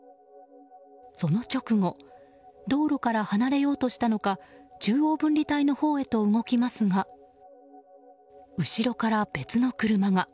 その直後道路から離れようとしたのか中央分離帯のほうへと動きますが後ろから別の車が。